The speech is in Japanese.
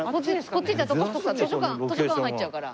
こっち行っちゃうと徳さん図書館入っちゃうから。